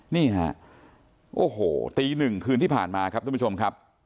นี่ฮะโอ้โหตีหนึ่งคืนที่ผ่านมาครับทุกผู้ชมครับ